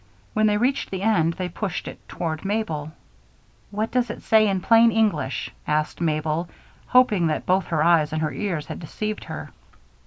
When they reached the end, they pushed it toward Mabel. "What does it mean in plain English?" asked Mabel, hoping that both her eyes and her ears had deceived her.